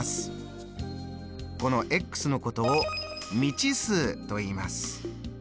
こののことを未知数といいます。